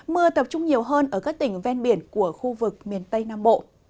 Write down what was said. mưa tập trung nhiều hơn ở các tỉnh ven biển của khu vực miền tây nam bộ